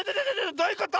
どういうこと⁉